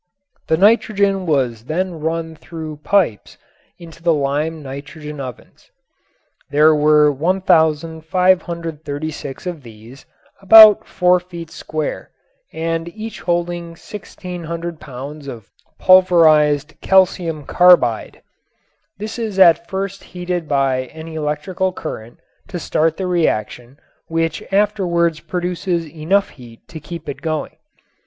The nitrogen was then run through pipes into the lime nitrogen ovens. There were 1536 of these about four feet square and each holding 1600 pounds of pulverized calcium carbide. This is at first heated by an electrical current to start the reaction which afterwards produces enough heat to keep it going.